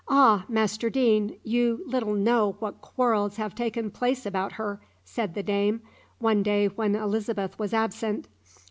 "Ah, Master Deane, you little know what quarrels have taken place about her!" said the dame, one day when Elizabeth was absent.